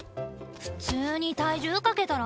普通に体重かけたら？